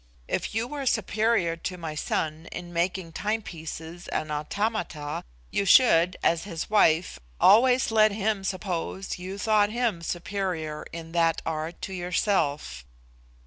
If you were superior to my son in making timepieces and automata, you should, as his wife, always let him suppose you thought him superior in that art to yourself.